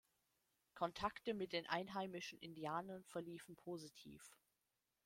Kontakte mit den einheimischen Indianern verliefen positiv.